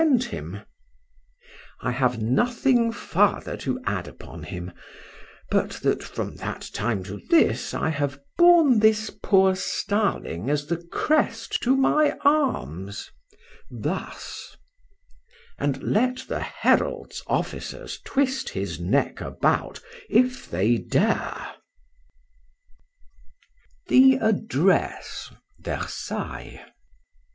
[Picture: The starling as the crest of arms] I have nothing farther to add upon him, but that from that time to this I have borne this poor starling as the crest to my arms.—Thus: —And let the herald's officers twist his neck about if they dare. THE ADDRESS. VERSAILLES.